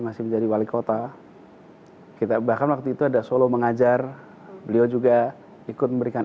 masih menjadi wali kota kita bahkan waktu itu ada solo mengajar beliau juga ikut memberikan